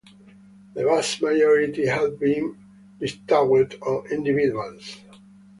The vast majority have been bestowed on individuals.